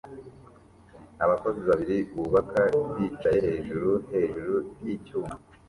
Abakozi babiri bubaka bicaye hejuru hejuru yicyuma